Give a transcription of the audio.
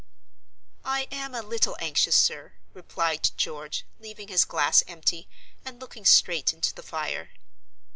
"I am a little anxious, sir," replied George, leaving his glass empty, and looking straight into the fire.